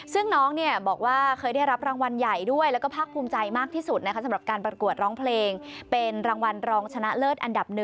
ซึ่งน้องบอกว่าเคยได้รับรางวัลใหญ่ด้วยแล้วก็ภาคภูมิใจมากที่สุดนะคะสำหรับการประกวดร้องเพลงเป็นรางวัลรองชนะเลิศอันดับ๑